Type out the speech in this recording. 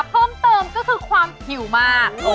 เพิ่มเติมก็คือความหิวมาก